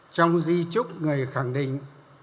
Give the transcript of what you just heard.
trong di trúc người khẳng định